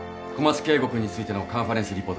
君についてのカンファレンスリポートです。